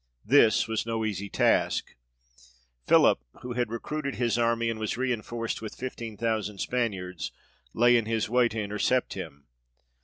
This was no easy task. Philip, who had recruited his army, and was re inforced with fifteen thousand Spaniards, lay in his way to intercept him.